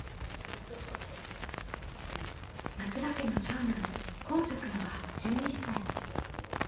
松場家の長男こうたくんは１１歳。